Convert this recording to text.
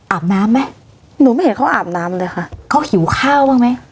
อาบน้ำไหมหนูไม่เห็นเขาอาบน้ำเลยค่ะเขาหิวข้าวบ้างไหม